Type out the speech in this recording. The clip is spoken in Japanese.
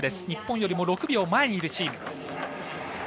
日本よりも６秒前にいるチーム。